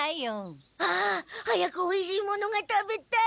ああ早くおいしいものが食べたい。